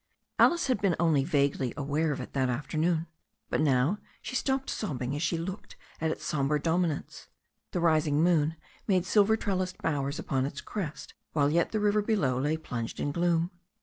Alice had been only vaguely aware of it that afternoon, but now she stopped sobbing as she looked at its sombre dominance. The rising moon made silver trellised bowers upon its crest THE STORY OF A NEW ZEALAND RIVER 27 while yet the river below lay plunged in gloom.